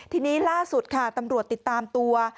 ทีนี้ล่าสุดค่ะตำรวจติดตามตัว